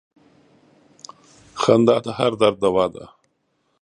• خندا د هر درد دوا ده.